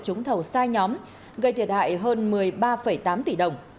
trúng thầu sai nhóm gây thiệt hại hơn một mươi ba tám tỷ đồng